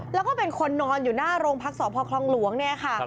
แล้วก็เป็นคนนอนอยู่หน้าโรงพักษพคลองหลวงเนี่ยค่ะ